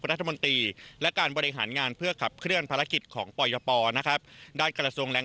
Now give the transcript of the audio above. ว่าถ้าอย่างช้าตุกน้ำเมื่อไหร่ก็เอาอย่างช้าเลย